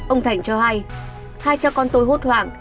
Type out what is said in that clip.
ông thành cho hay hai cha con tôi hốt hoảng